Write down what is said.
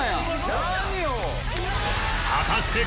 果たして